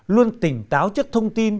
luôn tỉnh táo chất thông tin